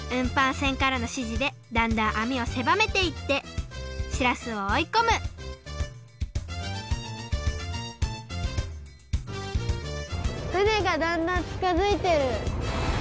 船からのしじでだんだんあみをせばめていってしらすをおいこむ船がだんだんちかづいてる。